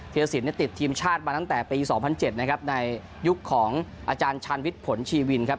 เทียสินติดทีมชาติมาตั้งแต่ปี๒๐๐๗ในยุคของอาจารย์ชันวิทธิ์ผลชีวินครับ